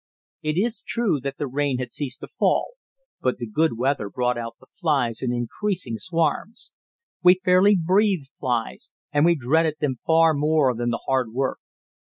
It is true that the rain had ceased to fall, but the good weather brought out the flies in increasing swarms. We fairly breathed flies, and we dreaded them far more than the hard work.